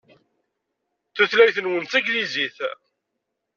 Tutlayt-nwen d taglizit.